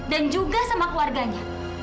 dan juga sama keluarganya